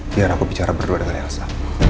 biar aku bicara berdua dengan elsa